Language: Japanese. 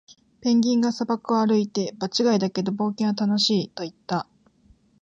ペンギンが砂漠を歩いて、「場違いだけど、冒険は楽しい！」と言った。